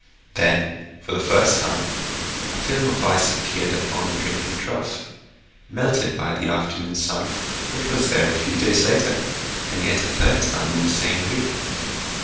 Then, for the first time, a film of ice appeared upon the drinking trough; melted by the afternoon sun it was there a few days later, and yet a third time in the same week.